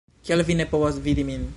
Kial vi ne povas vidi min?